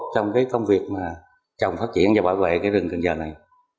trong công việc trồng phát triển và bảo vệ rừng cần giờ này